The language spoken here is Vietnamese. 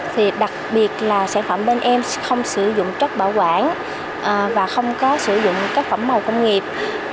thì đặc biệt là sản phẩm bên em không sử dụng chất bảo quản và không có sử dụng các phẩm màu công nghiệp